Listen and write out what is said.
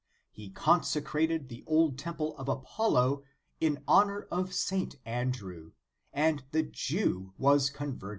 He consecrated the old temple of Apollo, in honor of St Andrew, and the Jew was converted.